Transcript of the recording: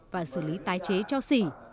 và xử lý tái chế cho xỉ